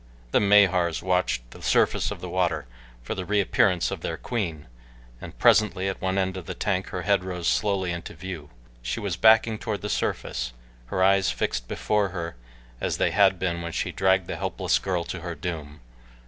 The Mahars watched the surface of the water for the reappearance of their queen, and presently at one end of the tank her head rose slowly into view. She was backing toward the surface, her eyes fixed before her as they had been when she dragged the helpless girl to her doom.